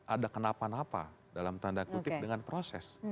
ada kenapa napa dalam tanda kutip dengan proses